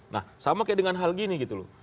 nah sama kayak dengan hal gini gitu loh